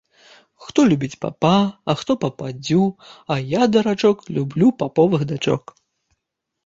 Хто любіць папа, а хто пападдзю, а я дурачок, люблю паповых дачок